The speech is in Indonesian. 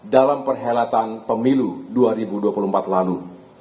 dalam perhelatan pemilu dua ribu dua puluh empat lalu